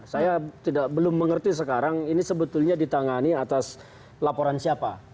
saya belum mengerti sekarang ini sebetulnya ditangani atas laporan siapa